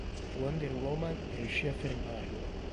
Wonder Woman riuscì a fermarlo.